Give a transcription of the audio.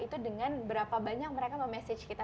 itu dengan berapa banyak mereka memasage kita